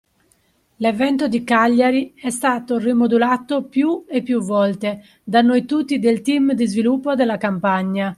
L’evento di Cagliari è stato rimodulato più e più volte da noi tutti del team di sviluppo della Campagna